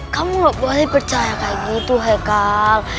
kamu gak boleh percaya kayak gitu hekal